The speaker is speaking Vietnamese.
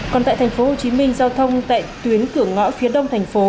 còn tại thành phố hồ chí minh giao thông tại tuyến cửa ngõ phía đông thành phố